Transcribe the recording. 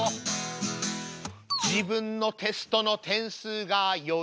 「自分のテストの点数がよいと」